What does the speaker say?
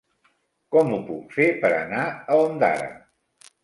Com ho puc fer per anar a Ondara?